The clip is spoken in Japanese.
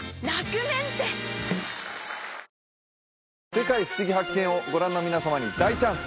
「世界ふしぎ発見！」をご覧の皆様に大チャンス！